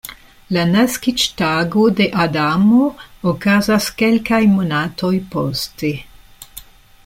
La naskiĝtago de Adamo okazas kelkaj monatoj poste.